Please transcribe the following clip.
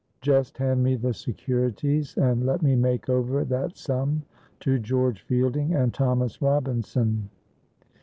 Just hand me the securities and let me make over that sum to George Fielding and Thomas Robinson.